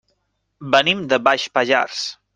Venim de Baix Pallars.